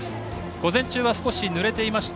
午前中は少しぬれていました